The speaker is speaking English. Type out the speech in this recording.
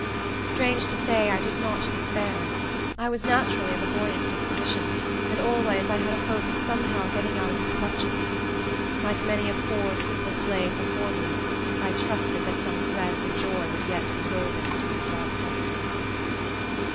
Strange to say, I did not despair. I was naturally of a buoyant disposition, and always I had a hope of somehow getting out of his clutches. Like many a poor, simple slave before me, I trusted that some threads of joy would yet be woven into my dark destiny.